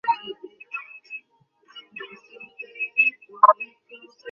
কিন্তু তাদের মুসলিম পরিচয় ঘুণাক্ষরেও প্রকাশ করে না।